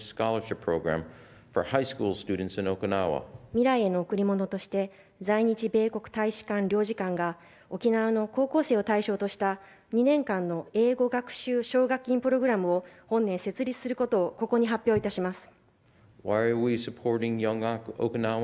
未来への贈り物として在日米国大使館領事館が沖縄の高校生を対象とした２年間の英語学習奨学金プログラムを本年、設立することをここに発表いたします。